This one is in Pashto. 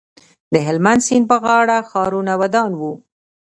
د هلمند سیند په غاړه ښارونه ودان وو